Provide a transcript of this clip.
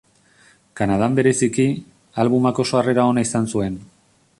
Kanadan bereziki, albumak oso harrera ona izan zuen.